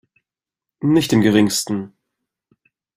Nicht im Geringsten.